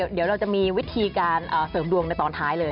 เดี๋ยวเราจะมีวิธีการเสริมดวงในตอนท้ายเลย